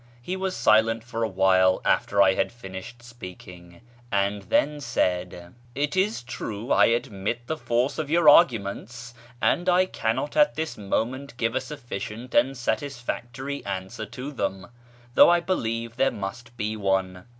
He was silent for a while after I had finished speaking, and then said :" It is true ; I admit the force of your arguments, and I cannot at this moment give a sufficient and satisfactory answer to them, though I believe there must be one.